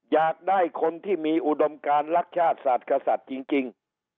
อยากได้คนที่มีอุดมการลักษณะสาธิศาสตร์จริง